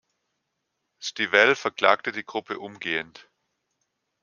Stivell verklagte die Gruppe umgehend.